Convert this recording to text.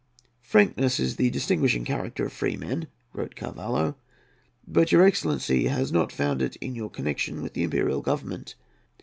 "Frankness is the distinguishing character of free men," wrote Carvalho, "but your excellency has not found it in your connection with the Imperial Government.